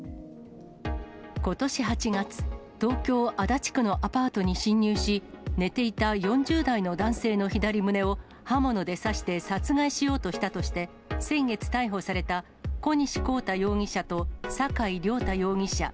ことし８月、東京・足立区のアパートに侵入し、寝ていた４０代の男性の左胸を刃物で刺して殺害しようとしたとして、先月逮捕された小西昂太容疑者と酒井亮太容疑者。